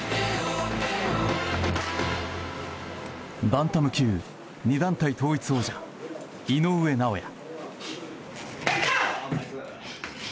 バンタム級２団体統一王者井上尚弥。